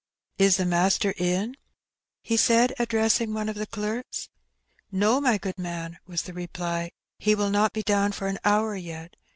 "Is the maaster in?" he said, addressing one of the clerks. ^^No, my good man,^' was the reply; "he will not be down for an hour yet.